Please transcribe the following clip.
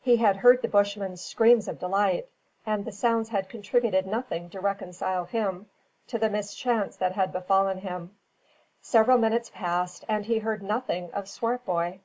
He had heard the Bushman's screams of delight, and the sounds had contributed nothing to reconcile him to the mischance that had befallen him. Several minutes passed and he heard nothing of Swartboy.